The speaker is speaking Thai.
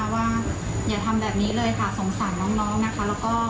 ว่าอย่าทำแบบนี้เลยค่ะสงสารน้องนะคะ